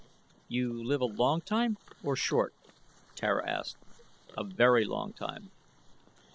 "You live a long time, or short?" Tara asked. "A very long time."